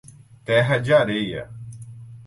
Terra de Areia